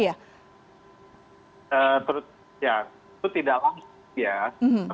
ya itu tidak langsung